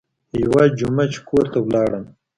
يوه جمعه چې کور ته ولاړم.